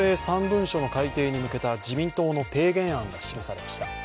３文書の改定に向けた自民党の提言案が示されました。